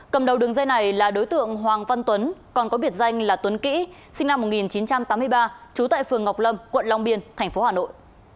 cầm đầu đường dây này là đối tượng hoàng văn tuấn còn có biệt danh là tuấn kỹ sinh năm một nghìn chín trăm tám mươi ba trú tại phường ngọc lâm quận long biên tp hà nội